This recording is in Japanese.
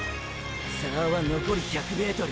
差はのこり１００ｍ。